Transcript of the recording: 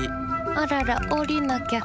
あららおりなきゃ。